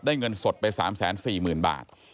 เงินสดไป๓๔๐๐๐บาท